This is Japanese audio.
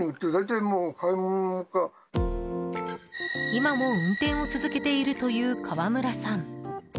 今も運転を続けているという川村さん。